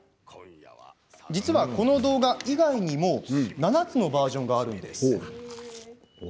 実は、この動画以外にも７つのバージョンがあるんです。